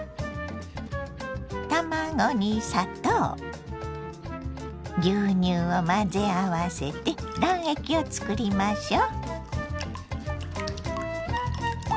卵に砂糖牛乳を混ぜ合わせて卵液を作りましょ。